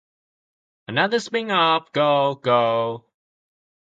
Another spin-off Go! Go!